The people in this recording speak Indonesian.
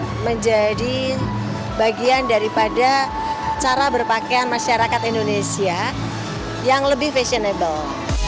ini menjadi bagian daripada cara berpakaian masyarakat indonesia yang lebih fashionable